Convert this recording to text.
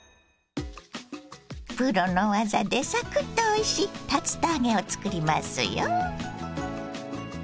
プロの技でサクッとおいしい竜田揚げを作りますよ。